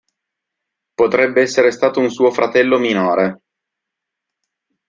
Potrebbe essere stato un suo fratello minore.